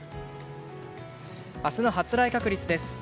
明日の発雷確率です。